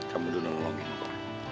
kamu dulu nolongin gua